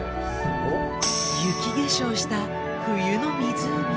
雪化粧した冬の湖。